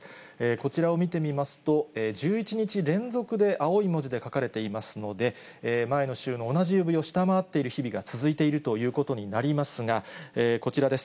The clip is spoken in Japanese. こちらを見てみますと、１１日連続で青い文字で書かれていますので、前の週の同じ曜日を下回っている日々が続いているということになりますが、こちらです。